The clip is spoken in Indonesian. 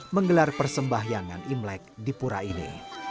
menggelar persembahyangan imlek di pura ini